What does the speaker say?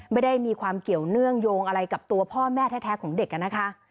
ไม่ได้มีความเกี่ยวเนื่องโยงอะไรกับตัวพ่อแม่แท้ของเด็กนะคะ